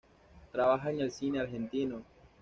Trabaja en el cine argentino.